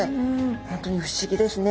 本当に不思議ですね。